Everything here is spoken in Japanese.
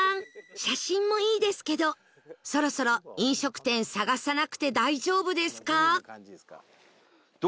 写真もいいですけどそろそろ飲食店探さなくて大丈夫ですか？